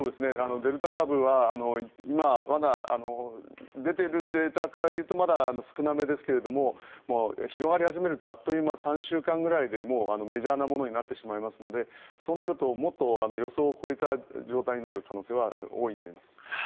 デルタ株はまだ出ているデータからいうとまだ少なめですけれども広がり始めるとあっという間、３週間くらいでメジャーなものになってしまいますのでそうなるともっと予想を超えた状態になる可能性は大いにあります。